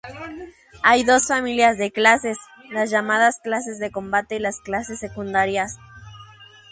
Hay dos familias de clases, las llamadas clases de combate y las clases secundarias.